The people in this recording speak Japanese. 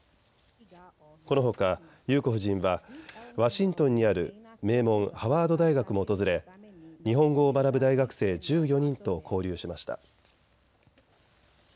このほか裕子夫人はワシントンにある名門、ハワード大学も訪れ日本語を学ぶ大学生１４人と交流しました。